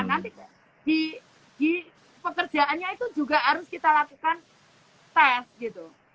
nanti di pekerjaannya itu juga harus kita lakukan tes gitu